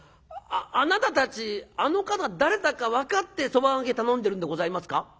あなたたちあの方誰だか分かってそば賭け頼んでるんでございますか？」。